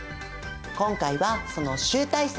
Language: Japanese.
今回はその集大成！